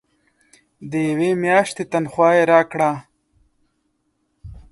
د یوې میاشتي تنخواه یې راکړه.